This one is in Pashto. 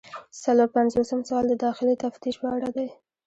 څلور پنځوسم سوال د داخلي تفتیش په اړه دی.